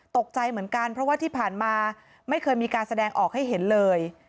ตกใจเหมือนกันเพราะว่าที่ผ่านมาไม่เคยมีการแสดงออกให้เห็นเลย